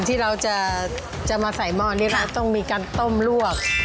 ที่เราจะมาใส่หม้อนี่เราต้องมีการต้มลวก